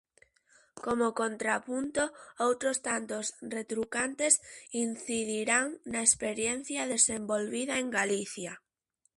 Como contrapunto, outros tantos retrucantes incidirán na experiencia desenvolvida en Galicia.